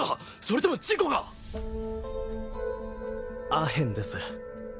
アヘンです。